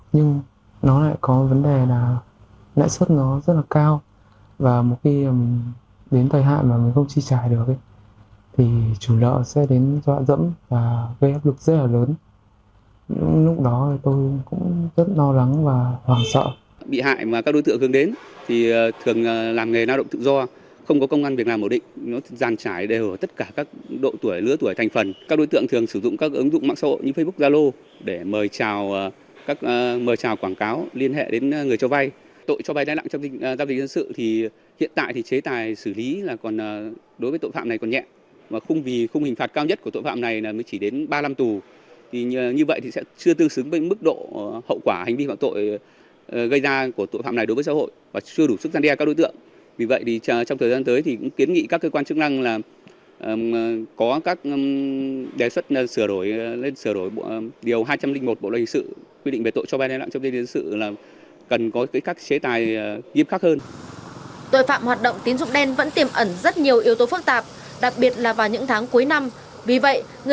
nhưng nó lại có vấn đề là nãi suất nó rất là cao và một khi đến thời hạn mà mình không chi trải được thì chủ lợi sẽ đến dọa dẫm và gây áp lực rất là lớn